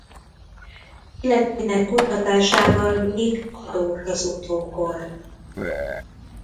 Életének kutatásával még adós az utókor.